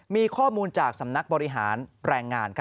มีข้อมูลจากสำนักบริหารแรงงาน